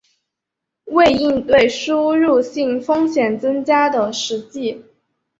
为应对输入性风险增加的实际